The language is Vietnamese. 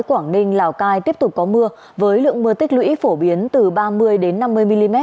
quảng ninh lào cai tiếp tục có mưa với lượng mưa tích lũy phổ biến từ ba mươi năm mươi mm